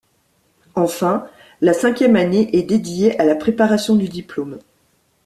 Enfin, la cinquième année est dédiée à la préparation du diplôme.